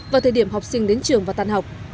vào thời điểm học sinh đến trường và tàn học